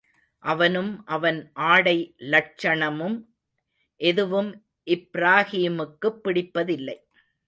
அவனும் அவன் ஆடை லட்சணமும் எதுவும் இப்ராஹீமுக்குப் பிடிப்பதில்லை.